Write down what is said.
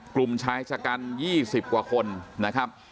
กลุ่มชายชะกัน๒๐กว่าคนนะครับ